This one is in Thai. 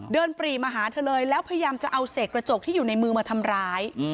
ปรีมาหาเธอเลยแล้วพยายามจะเอาเศษกระจกที่อยู่ในมือมาทำร้าย